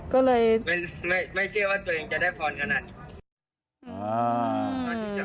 ก็เลยไม่เชื่อว่าตัวเองจะได้พรขนาดนี้